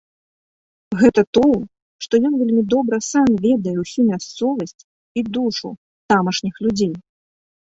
Гэта тое, што ён вельмі добра сам ведае ўсю мясцовасць і душу тамашніх людзей.